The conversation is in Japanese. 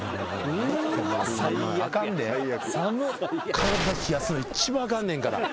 体冷やすの一番あかんねんから。